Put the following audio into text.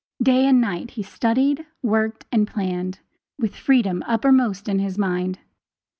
Day and night he studied, worked and planned, with freedom uppermost in his mind.